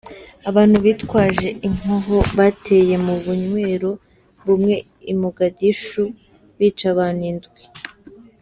Abantu bitwaje inkoho bateye mu bunywero bumwe I Mogadishu bica abantu indwi.